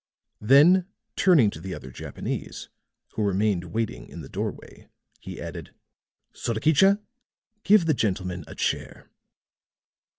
Then turning to the other Japanese, who remained waiting in the doorway, he added: "Sorakicha, give the gentleman a chair."